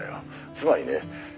「つまりね」